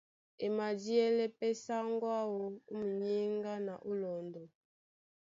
E madíɛlɛ́ pɛ́ sáŋgó áō ó muyéŋgá na ó lɔndɔ.